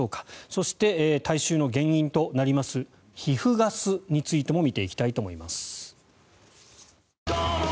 そして、体臭の原因となります皮膚ガスについても見ていきたいと思います。